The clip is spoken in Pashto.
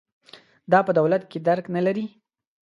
دا په دولت کې درک نه لري.